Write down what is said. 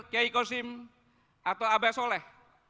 k i korsim atau aba soleh